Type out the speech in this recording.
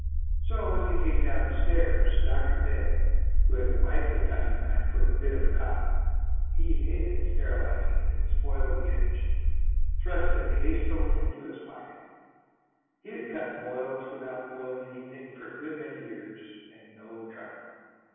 So, as he came down the stairs, Dr. Ed, who had wiped his tiny knife with a bit of cotton, he hated sterilizing it; it spoiled the edge, thrust it hastily into his pocket. He had cut boils without boiling anything for a good many years, and no trouble.